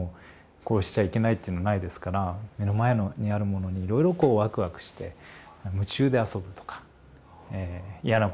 こうしちゃいけないっていうのはないですから目の前にあるものにいろいろこうワクワクして夢中で遊ぶとか嫌なことがあったら「わっ」と泣くとか。